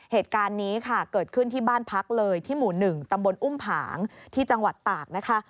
เหตุการณ์นี้ค่ะเกิดขึ้นที่บ้านพักเลยที่หมู่๑ตำบลอุ้มผางที่จังหวัดตากนะคะ